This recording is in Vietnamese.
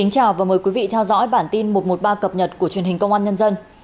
chào mừng quý vị đến với bản tin một trăm một mươi ba cập nhật của truyền hình công an nhân dân